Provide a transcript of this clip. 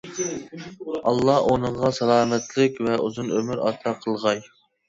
ئاللا ئۇنىڭغا سالامەتلىك ۋە ئۇزۇن ئۆمۈر ئاتا قىلغاي!